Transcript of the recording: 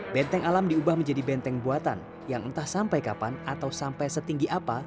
benteng alam diubah menjadi benteng buatan yang entah sampai kapan atau sampai setinggi apa